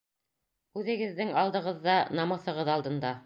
Үҙегеҙҙең алдығыҙҙа, намыҫығыҙ алдында.